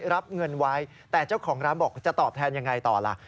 รับเงินไว้แต่เจ้าของร้านบอกจะตอบแทนยังไงต่อล่ะ